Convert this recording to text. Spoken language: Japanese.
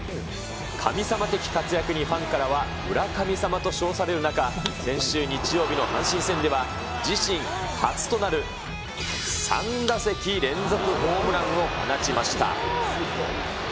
神様的活躍にファンからは、村神様と称される中、先週日曜日の阪神戦では、自身初となる３打席連続ホームランを放ちました。